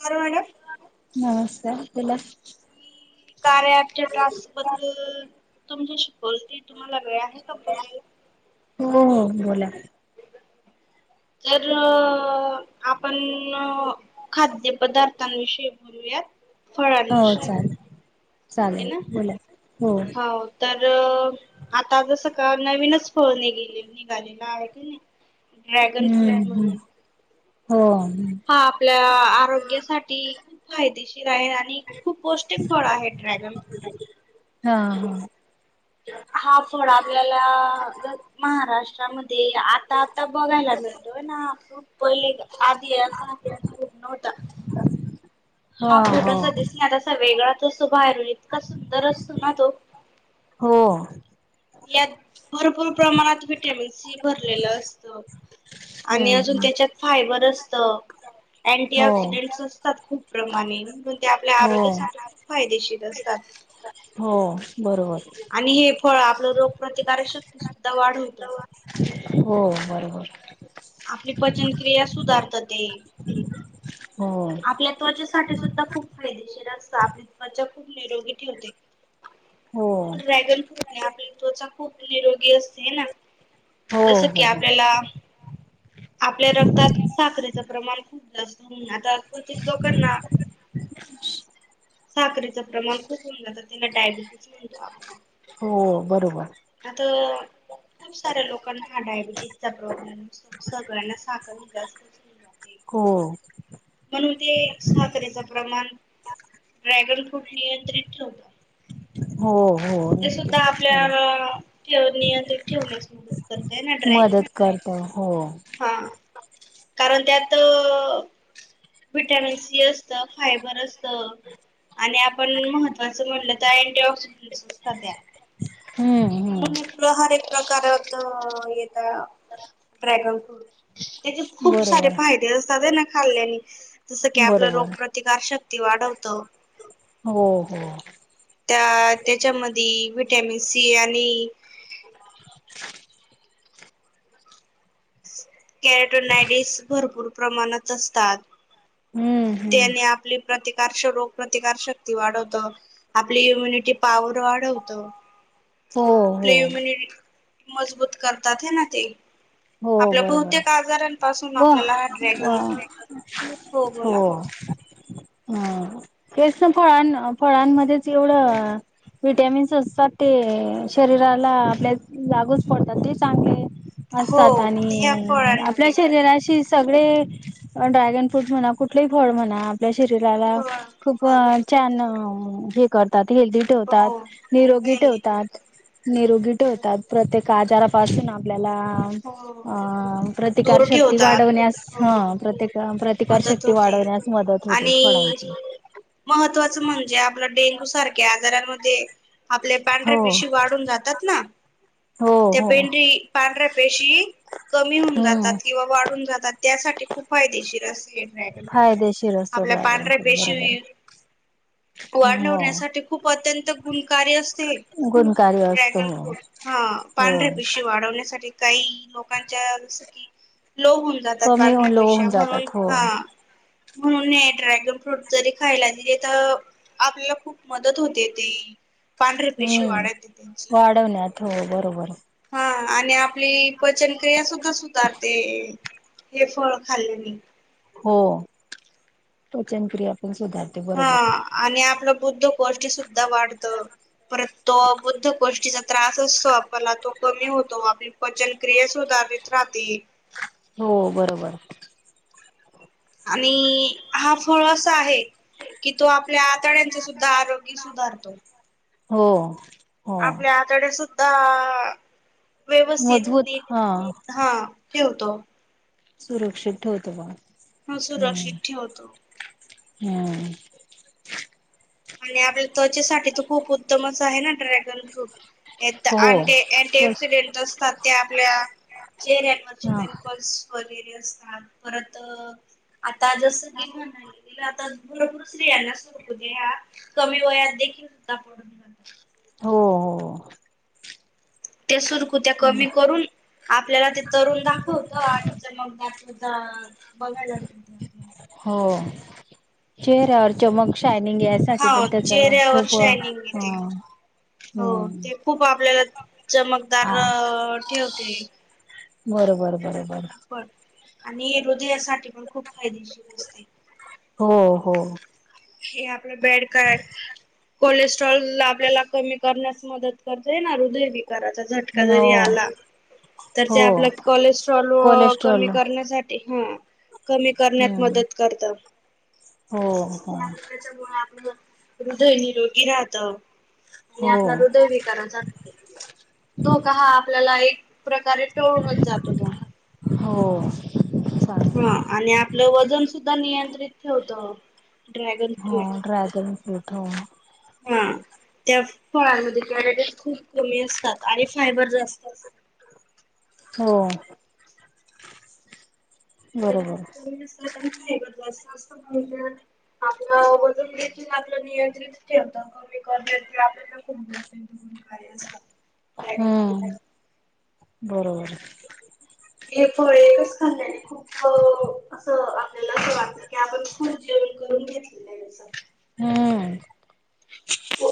कारर मड नमस्कारला कार्याच्या त्रास बद्दल तुम ज शिकवल ते तुम्हालागळे आहे का बोल हो हो बोला तरर आपण खाद्यपदार्थांविषयी बोलूयात हो फळांविषयी चालेल चालेल ना बोला हो हा तर आता जसं का नवीनच फळ निले निघालेलं आहे की नाही ड्रॅगन फ्रूट हम्म हम् म्हणून हो हा आपल्या आरोग्यासाठी खूप फायदेशीर आहे आणि आणि खूप पौष्ट फळ आहे ड्रॅगन फ्रूट हा हा हा फळ आपल्याला महाराष्ट्रामध्ये आता आता बघायला मिळतोय ना खूप पहिले आधी असा खूप पूर्णवता हा फ्रूट असा दिसनार असा वेगळा दिसतो बाहेरून इतका सुंदर असतो ना तो हो. यात भरपूर प्रमाणात विटॅमिन सी भरलेलं असतं. आणि अजून हम्म त्याच्यात फायबर असत. अँटी हो ऑक्सिडेंटस असतात खूप प्रमाणे पण ते आपल्या हो आरोग्यासाठी खूप फायदेशीर असतात. हो बरोबर आणि हे फळ आपलं रोगप्रतिकारक शक्ती सुद्धा वाढवते. हो बरोबर. आपली पचनक्रिया सुधारत ते. हो. आपल्या त्वचेसाठी सुद्धा खूप फायदेशीर असत. आपली त्वचा खूप निरोगी ठेवते. हो ड्रॅगन फ्रूटने आपली त्वचा खूप निरोगी असते ना. हो जसं की हो आपल्याला आपल्या रक्तात साखरेचं प्रमाण खूप जास्त म्हणून आता, लोकाना साखरे चं प्रमाण खूप होऊन जातं. त्याला डायबिटीस म्हणतो आपण. हो, बरोबर. आता खूप साऱ्या लोकांना हा डायबिटीजचा प्रॉब्लेम. सगळ्यांना साखर जास्त हो. म्हणून ते साखरेच प्रमाण ड्रॅगन फ्रूट नियंत्रित ठेवतो. हो हो ते सुद्धा नक्कीच बरोबर आपल्याला नियंत्रित ठेवण्याच करत ना ड्रॅगन. अ हो. हा. कारण त्यात विटॅमिन सी असत. फायबर असत. आणि आपण महत्वाचं म्हटलं, अँटिऑक्सिजन असत त्यात. हम्म हम्म हर एक प्रकारात येत ड्रॅगन फ्रूट. त्याचे खूप सारे बरोबर फायदे असतात आहे ना खाल्ल्याने. जसं की आपलं बरोबर रोगप्रतिकार शक्ती वाढवतं. हो, हो. त्या त्याच्यामध्ये विटॅमिन सी आणि कॅरडोनायडस भरपूर प्रमाणात असतात. हम्म हम्म त्याने आपली प्रतिकार स्वरूप, रोग प्रतिकार शक्ती वाढवत. आपली इम्युनिटी पॉवर वाढवत. हो हो प्लेमनि मजबूत करतात ना ते. हो आपल्या बरोबर बहुतेक आजारांपासून व आपल्याला हा व ड्रॅगन फ्रूट. हो, बोला ह [inaudible] ह तेच ना फळां फळांमध्येच एवढं, विटॅमिन्स असतात ते शरीराला आपल्या लागूच पडतात. ते चांगले, हो असतात ह्या आणि आपल्या फळांमध्ये शरीराशी सगळे ड्रॅगन फ्रूट म्हणा. कुठलेही फळ म्हणा. आपल्या शरीराला फळ खूप बरोबर छान हे करतात. हेल्दी ठेवतात. हो निरोगी वेली ठेवतात. निरोगी ठेवतात. बरोबर प्रत्येक आजारापासून आपलेला हो हम प्रतिकार दूर शक्ती ठेवतात वाढण्यास हो ह. प्रत्येक मदत प्रतिकारशक्ती होते वाढवण्यास मदत होते आणि फळांची. महत्त्वाचं म्हणजे आपलं डेंगू सारख्या आजारांमध्ये आपल्या पांढऱ्या हो पिशी वाढून जातात ना. हो त्या हो पेंढरी पांढऱ्या पेशी कमी होऊन हम्म जातात किंवा वाढून जातात. त्यासाठी खूप फायदेशीर अस हे ड्रॅगन फायदेशीर असतो आपल्या ड्रॅगन पांढऱ्या फ्रूट बरोबर पेशी हो वाढवण्यासाठी खूप अत्यंत गुणकारी असते. गुणकार्य असतो ड्रॅगन हो फ्रूट. हा हो पांढऱ्या पिशी वाढवण्यासाठी काही लोकांच्या जस की लो होऊन जातात कमी पांढऱ्या लो पेशा होऊन म्हणून जातात हो हा. म्हणून ड्रॅगन फ्रूट जरी खायला दिले तर आपल्याला खूप मदत होते ते. पांढऱ्या पेशी हम्म वाढती तिची. वाढवण्यात हो बरोबर हा आणि आपली पचनक्रिया सुद्धा सुधारते. हे फळ खाल्ले ने. हो पचनक्रिया पण सुधारते हा बरोबर. आणि आपला बुद्ध गोष्ट सुद्धा वाढत परत तो बुद्ध गोष्टीचा त्रास असतो आपल्याला तो कमी होतो आपली पचनक्रिया सुधारित राहते. हो बरोबर आणि हा फळ असा आहे कि, तो आपल्या आतड्यांचं सुद्धा आरोग्य सुधारतो. हो. हो आपल्या आताड्या सुुद्धा व्यवस्थित मजबूत हा नीट हा ठेवतो. सुरक्षित ठेवतो बावा. ह सुरक्षित ठेवतो. हम. आणि आपल्या त्वचेसाठी त खूप उत्तमच आहे ना ड्रॅगन फ्रूट. य हो अंटी अँटी ते ऑक्सिडेंट असतात ते आपल्या चेहऱ्यांवरचे हा पिंपल्स वगैरे असतात परत आता जसं की म्हणाले तिला आता भरपूर स्त्रियांना सुरकुत्या कमी वयात देखील हो आपण हो हो. ते सुरकूत्या हो कमी करून आपल्याला ते तरुण दाखवत आणि चमकदार बघायलात मिळतं. हो चेहर्यावर चमक. शायनिंग यासाठी हा पण त्याच चेहऱ्यावर खूप शायनिंग येते हो ते खूप आपल्याला चमकदार हा ठेवते. बरोबर बरोबर. पण आणिहे हृदयासाठी पण खूप फायदेशीर असते. हो हो. हे आपलं बेड काय कोलेस्ट्रॉल आपल्याला कमी करण्यास मदत करते ना हृदयविकार च्या झटका हो जरी आला हो तर आपल कोलेस्ट्रॉल कमी कोलेस्ट्रॉल हम्म करण्यासाठी हा कमी करण्यात मदत करत. हो हो त्याच्यामुळे आपलं हृदय निरोगी राहत आणि हो आपला हृदयविकारा धोका हा आपल्याला एक प्रकारे टळूनच जातो मग. हो. हा चालेल आणि आपलं वजन सुद्धा नियंत्रित ठेवत. ड्रॅगन हो फ्रूट ड्रॅगन फ्रूट हो हा त्या फळांमध्ये तकॅलोरीझ खूप कमी असतात. आणि फायबर जास्त असत. हो. बरोबर ु ब अस अस [unintelligible] आपल वजून देखील आपल नियंत्रित ठेवत कमी कर ते आपल्याला खूप ग पण काही असतात. ड्रॅगन फ्रूट हम्म बरोबर. ए फोर एकच खाल्यानी खुप. खूप असं आपल्याला असं वाटत की आपण फुल जेवण करून घेतलेलं आहे या. हम्म. हो.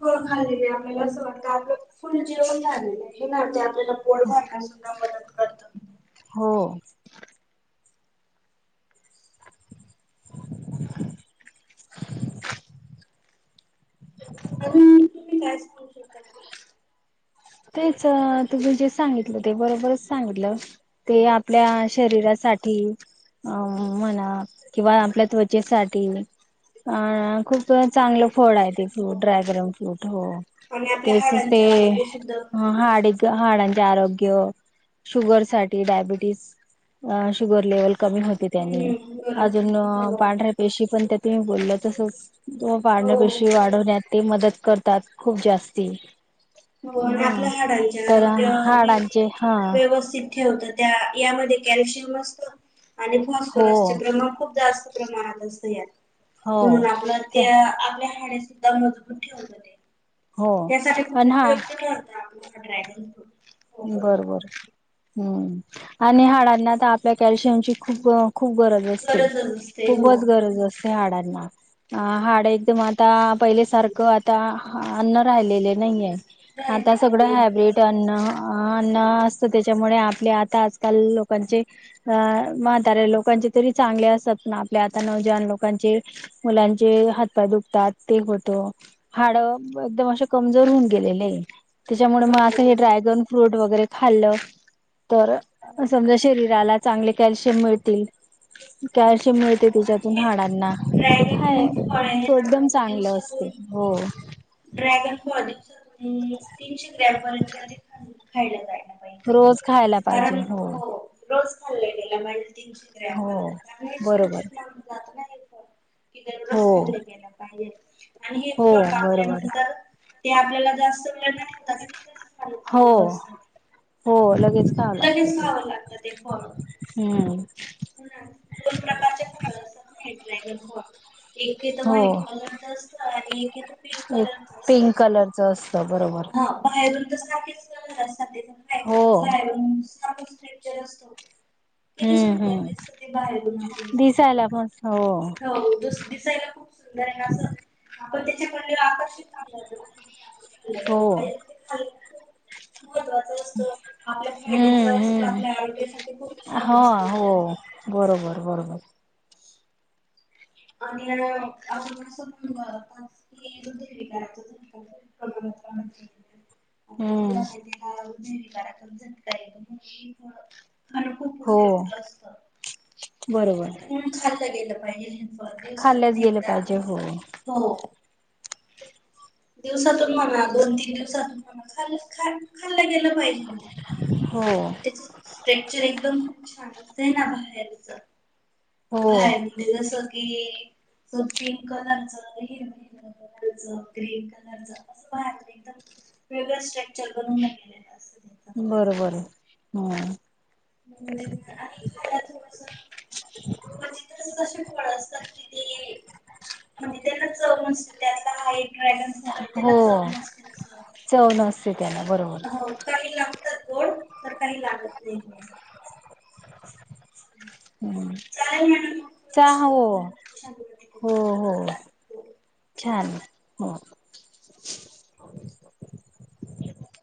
फळ खाल्लेले आपल्याला अस वाटत आपल फुल जेवण झालेलय हे आपल्या थोड का होईना सुद्धा मदत करतो. हो. [unintelligible] ह. [unintelligible] अ तुम्ही काय सांगू शकता? मला तेच तुम्ही जे सांगितलं ते बरोबरच सांगितलं. ते आपल्या शरीरासाठी अ म्हणा किंवा आपल्या त्वचेसाठी अ खूप चांगलं फळ फायदेशीर आहे ते असतं फ्रूट हो ड्रायग्रन फ्रूट हो आणि आपल्या तेच ते हाडांच्या आरोग्य सुद्धा हाड हाडांचे आरोग्य, शुगर साठी डायबिटीस अ शुगर लेवल कमी होते त्यानी हम्म बरोबर अजून हो पांढऱ्या पेशी पण त्या तुम्ही बोलल तसच ते पांढऱ्या हो पेशी वाढवण्यात ते मदत करतात खूप जास्ती. हो आणि हा आपल्या हाडांचे तर आरोग्य हाडांचे हा व्यवस्थित ठेवत त्या यामध्ये कॅल्शियम असत. आणि हो फॉस्फरसचे प्रमाण खूप जास्त प्रमाणात असत यात. हो म्हणून आपलं ते त्या आपल्या हाडे सुद्धा मजबूत ठेवतते. हो अण हा.. कुठ होता आपला हा ड्रॅगन फ्रूट? हो बोला. बर बर. हम्म आणि हाडांना आ आपल्या कॅल्शियमची खूप, खूप गरज गरजच असते हो खूपच गरज बरोबर असते हाडांना. अ हाडे एकदम आता पहिले सारखं आता अन्न राहिलेले नाहीये. आता राहिलेले सगळं नाही हॅबरेट बरोबर. अन्न, अन्न हो त्याच्यामुळे आपल्या आता आजकाल लोकांचे अ म्हातारे लोकांचे तरी चांगले असतात ना आपले आता नऊजवान लोकांचे मुलांचे हातपाय दुखतात ते होत. हाड एकदम असे कमजोर होऊन गेलेले आहे. त्याच्यामुळे मग आता हो हे बरोबर. ड्रॅगन फ्रूट वगैरे खाल्ल तर हो. समजा शरीराला चांगले कॅल्शियम मिळतील, कॅल्शियम मिळतील हो आणि त्याच्यातून हे हाडांना ते ड्रॅगन काय फळ हे त ना एकदम चांगलं असते दिवसातून हो.. ड्रॅगन फॉली म तीनशे ग्रॅम पर्यंत तर खायला जायणार रोज खायला पाहिजे हो. रोज खाल्ले गला माहिजे तीनशे हो ग्रॅमपर्यंत कारण हे बरोबर सुरक्षित मा कि दररोज हो खाल्ले गला पाहिजे आणि हे हो फळ आपल्यान. बरोबर ते आपल्याला जास्त प्रमाणात हो हो लगेच. चा लागते लगेच ते खावं लागतं ते फळ हम्म. दोन प्रकारचे फळ असत नाही ड्रॅगन फळ. एक आहे तर हो व्हाईट कलरच असतं आणि एक आहे तर पिंक एक कलरच पिंक असतं. कलरच असतं बरोबर हा बाहेरून तरच. [unintelligible] हो बाहेरख स्ट्रक्चर असतो किती हम्म सुंदर. [unintelligible] हम्म दिसत ते बाहेर आपल्याला दिसायला पण हो हो दुस दिसायला खूप सुंदर आहे आसं आपण त्याच्या कल्याला आकर्षित होऊन जातो ना. [unintelligible] अ हो ए. [unintelligible] महत्वाच असत आपल्या फायद्याच, हम्म असत हम्म आपल्या आरोग्यासाठी खूप हा छान असत ते. हो बरोबर बरोबर. आणि अ आपण असं म्हणलं की हृदयविकाराचा झटका त आहे. [unintelligible] आता जेला हम्म माहि हृदयविकाराचा झटका हजैव का जत. [unintelligible] हो बरोबर. म्हणून खाल्लं गेलं पाहिजे जिन्सवर. खाल्ल्याच गेल पाहिजे हो. हो. दिवसातून म्हणा दोन, तीन दिवसातून म्हणा खाल् खाल्ल गेलं पाहिजे. न [unintelligible] हो. त्याच स्ट्रक्चर एकदम खूप छान असतेना बाहेरच. हो भाहेर म्हणजे जस की तो पिंक कलरच ह ह. [unintelligible] ग्रीन कलर च अस भाहेरून एकदम वेगळ स्ट्रक्चर बनून गेलोले अस बरोबर हम्म. [unintelligible] खायला जेवन बनवतो. क्वचीतच तसे फळ असतात कि ते म्हणजे त्यांना चव नसते त्याला एक [unintelligible] त्याला हो चग नसते अस. चव नसते त्याला बरोबर काही लागतात गोड तर काही लागत नाही गोड. हम्म. चालेल म्हणून चहा हो हो हो हो. छान हो.